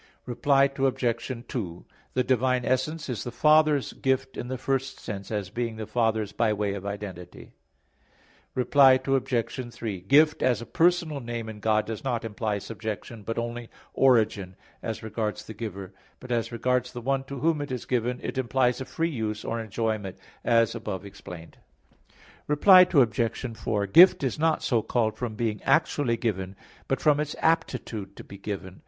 Reply Obj. 2: The divine essence is the Father's gift in the first sense, as being the Father's by way of identity. Reply Obj. 3: Gift as a personal name in God does not imply subjection, but only origin, as regards the giver; but as regards the one to whom it is given, it implies a free use, or enjoyment, as above explained. Reply Obj. 4: Gift is not so called from being actually given, but from its aptitude to be given.